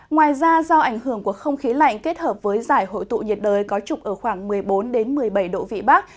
ngoài ra do ảnh hưởng của không khí lạnh kết hợp với giải hội tụ nhiệt đới có trục ở khoảng một mươi bốn một mươi bảy độ vị bắc